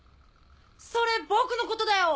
それ僕のことだよ。